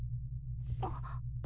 あっ。